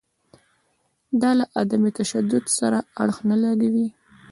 دا له عدم تشدد سره اړخ نه لګوي.